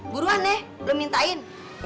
buruan nek lo mintain